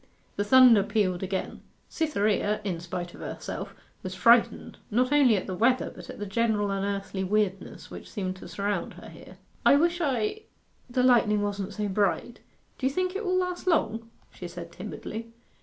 The thunder pealed again. Cytherea, in spite of herself, was frightened, not only at the weather, but at the general unearthly weirdness which seemed to surround her there. 'I wish I the lightning wasn't so bright. Do you think it will last long?' she said timidly.